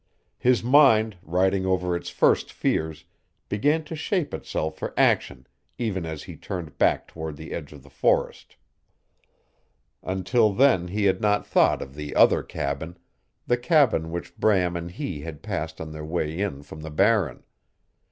His mind, riding over its first fears, began to shape itself for action even as he turned back toward the edge of the forest. Until then he had not thought of the other cabin the cabin which Bram and he had passed on their way in from the Barren.